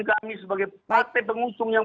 kami sebagai partai pengusung yang